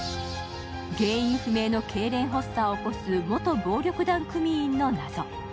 原因不明のけいれん発作を起こす元暴力団組員の謎。